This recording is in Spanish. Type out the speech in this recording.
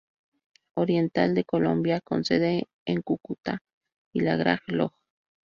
Oriental de Colombia con sede en Cúcuta y la Gran Log.·.